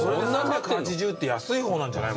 ３８０って安い方なんじゃない？